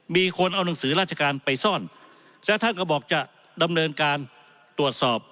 มีคนเอาหนังสือราชการไปซ่อนแล้วท่านก็บอกจะดำเนินการตรวจสอบ